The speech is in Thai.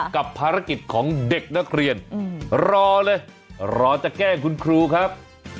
กับภารกิจของเด็กนักเรียนรอเลยรอจะแกล้งคุณครูครับ